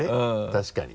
確かに。